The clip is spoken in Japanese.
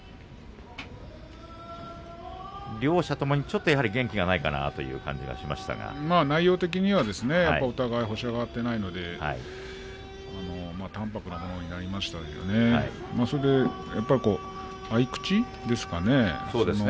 両者ともに、やはりちょっと元気がないかなという感じが内容的にはお互い星が挙がっていないので淡泊なものになりましたけれどもね。